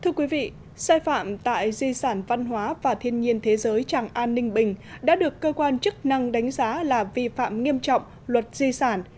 thưa quý vị sai phạm tại di sản văn hóa và thiên nhiên thế giới tràng an ninh bình đã được cơ quan chức năng đánh giá là vi phạm nghiêm trọng luật di sản